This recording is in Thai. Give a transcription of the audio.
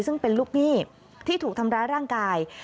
ซึ่งเป็นลูกหนี้ที่ถูกทำร้ายร่างกาย